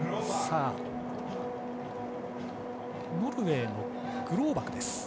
ノルウェーのグローバクです。